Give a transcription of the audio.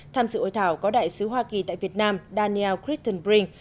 tham dự hội thảo có đại sứ hoa kỳ tại việt nam daniel crittenbrink